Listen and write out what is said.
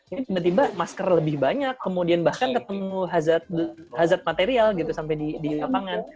ini tiba tiba masker lebih banyak kemudian bahkan ketemu hazad material gitu sampai di lapangan